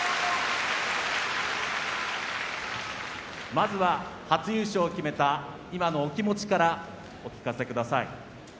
まずは初優勝を決めた今のお気持ちからお聞かせください。